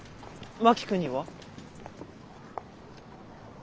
真木君には？